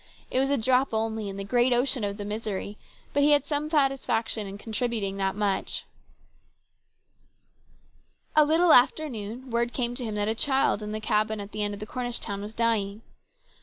It was a drop only in the great ocean of the misery, but he had some satisfaction in contributing that much. A little after noon word came to him that the child in the cabin at the end of Cornish town was dying.